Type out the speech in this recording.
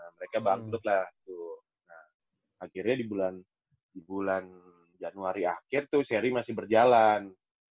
mereka bangkrut lah akhirnya di bulan januari akhir tuh seri masih berjalan